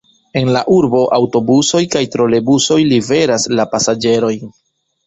En la urbo aŭtobusoj kaj trolebusoj liveras la pasaĝerojn.